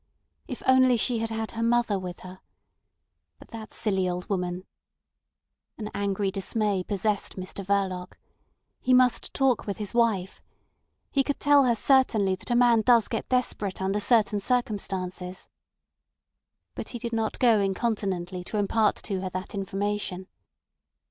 If only she had had her mother with her. But that silly old woman—An angry dismay possessed Mr Verloc. He must talk with his wife. He could tell her certainly that a man does get desperate under certain circumstances. But he did not go incontinently to impart to her that information.